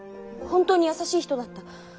本当に優しい人だった。